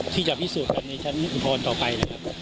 ที่จะวิสูจน์กันในชั้นอุปนัยผ่านต่อไปนะครับ